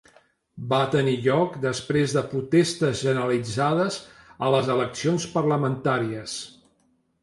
Va tenir lloc després de protestes generalitzades a les eleccions parlamentàries.